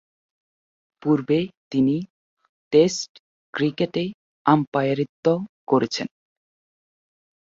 পূর্বে তিনি টেস্ট ক্রিকেটে আম্পায়ারিত্ব করেছেন।